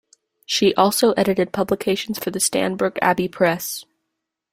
She also edited publications for the Stanbrook Abbey Press.